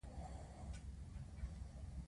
پینځوس سنټه